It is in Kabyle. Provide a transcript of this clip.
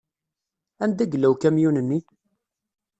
Anda yella ukamyun-nni?